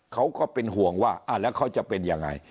เขาก็เป็นห่วงว่าแล้วเขาจะเป็นยังไง